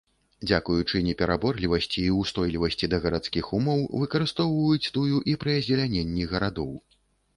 Дзякуючы непераборлівасці і ўстойлівасці да гарадскіх умоў выкарыстоўваюць тую і пры азеляненні гарадоў.